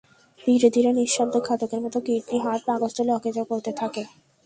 ধীরে ধীরে নিঃশব্দ ঘাতকের মতো কিডনি, হার্ট, পাকস্থলী অকেজো করতে থাকে।